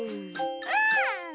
うん！